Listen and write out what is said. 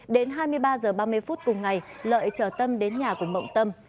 đến hai mươi ba h ba mươi phút cùng ngày lợi chở tâm đến nhà của mộng tâm